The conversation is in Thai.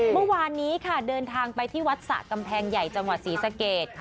เมื่อวานนี้ค่ะเดินทางไปที่วัดสระกำแพงใหญ่จังหวัดศรีสะเกด